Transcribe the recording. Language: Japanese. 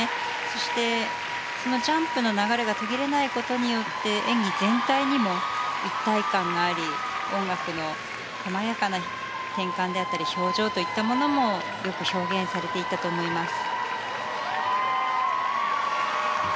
そして、そのジャンプの流れが途切れないことによって演技全体にも一体感があり音楽の細やかな転換であったり表情といったものもよく表現されていたと思います。